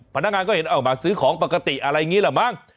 พนักงานก็เห็นออกมาซื้อของปกติอะไรอย่างนี้แหละมั้ง